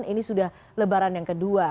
ini sudah lebaran yang kedua